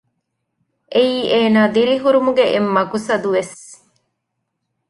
އެއީ އޭނާ ދިރިހުރުމުގެ އެއް މަޤުޞަދުވެސް